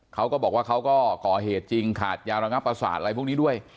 เขาก็บอกว่าเขาก็ก่อเหตุจริงขาดยาระงับประสาทอะไรพวกนี้ด้วย